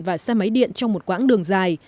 và xe máy điện trong một quãng đường dài